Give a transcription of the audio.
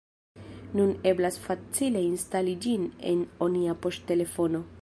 nun eblas facile instali ĝin en onia poŝtelefono.